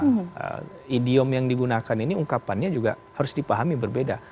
karena idiom yang digunakan ini ungkapannya juga harus dipahami berbeda